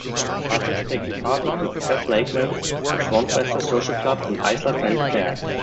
Artists taking part included Seth Lakeman, The Swanvesta Social Club and Isla Saint Clair.